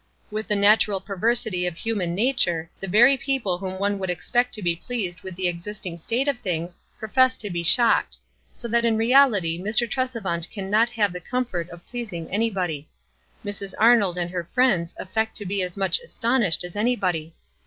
"With the natural perversity of human nature, the very people whom one would expect to be pleased with the existing state of things, pro fess to be shocked ; so that in reality Mr. Tres evaut can not have the comfort of pleasing any body. Mrs. Arnold and her friends affect to be as much astonished as anybody.